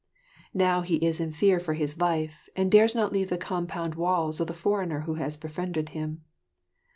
Now he is in fear for his life and dares not leave the compound walls of the foreigner who has befriended him.